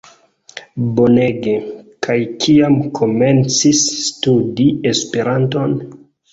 Bonege! kaj kiam komencis studi Esperanton?